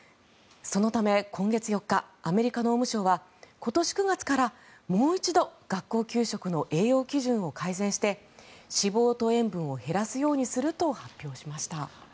そのため、今月４日アメリカ農務省は今年９月からもう一度学校給食の栄養基準を改善して脂肪と塩分を減らすようにすると発表しました。